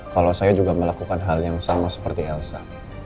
kalau saya juga melakukan hal yang sama seperti elsa